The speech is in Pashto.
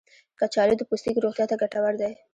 کچالو د پوستکي روغتیا ته ګټور دی.